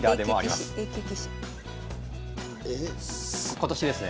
今年ですね。